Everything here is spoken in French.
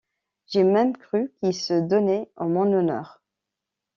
J’ai même cru qu’il se donnait en mon honneur!